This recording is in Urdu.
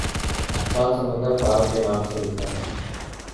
سات سمندر پار کے نام سے لکھا